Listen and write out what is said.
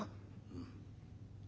「うん。